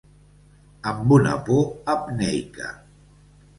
Amb una por apneica.